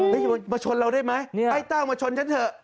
มาชนเราได้ไหมไอ้เต้ามาชนฉันเถอะ